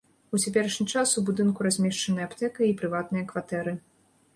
У цяперашні час у будынку размешчаны аптэка і прыватныя кватэры.